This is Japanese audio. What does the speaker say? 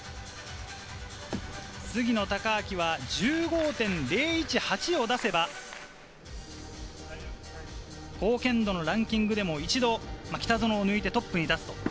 杉野正尭は１５．０１８を出せば貢献度のランキングでも一度、北園を抜いてトップに立つ。